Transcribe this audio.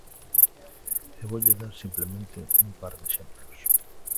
E voulle dar simplemente un par de exemplos.